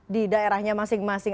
di daerahnya masing masing